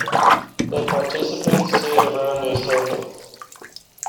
The participants sit round in a circle.